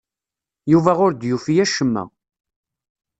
Yuba ur d-yufi acemma.